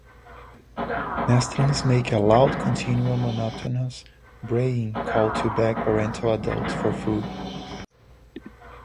Nestlings make a loud continual monotonous braying call to beg parental adults for food.